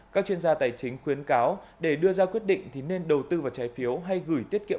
các chuyên gia tài chính khuyến cáo để đưa ra quyết định thì nên đầu tư vào trái phiếu hay gửi tiết kiệm